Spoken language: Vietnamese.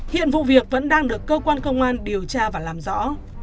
hiện vụ việc vẫn đang được cơ quan công an điều tra và làm rõ